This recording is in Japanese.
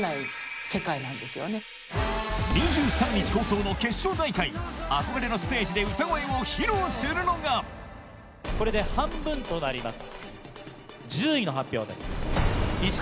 ２３日放送の決勝大会憧れのステージで歌声を披露するのがこれで半分となります。